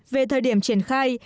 về thời điểm triển khai